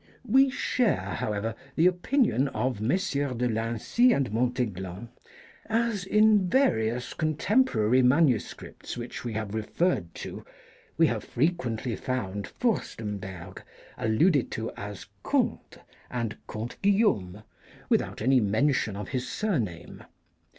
We share, however, the opinion of Messrs, de Lincy and Montaiglon, as in various contemporary MSS. which we have referred to, we have frequently found Furstemberg alluded to as " Conte " and " Comte Guillaume," without any mention of his surname.